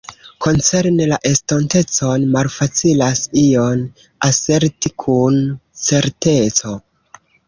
Koncerne la estontecon, malfacilas ion aserti kun certeco.